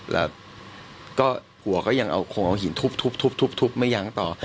แล้วก็ผัวก็ยังเอาโครงเอาหินทุบไม่ยั้งต่อ